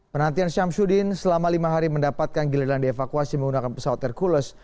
penantian syamsuddin selama lima hari mendapatkan giliran dievakuasi menggunakan pesawat hercules